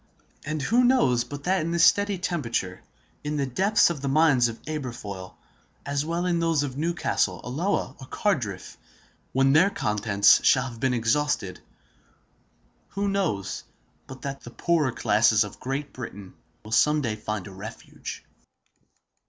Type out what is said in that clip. And who knows but that in this steady temperature, in the depths of the mines of Aberfoyle, as well as in those of Newcastle, Alloa, or Cardiff—when their contents shall have been exhausted—who knows but that the poorer classes of Great Britain will some day find a refuge?